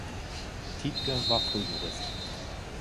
Tiedge war Volljurist.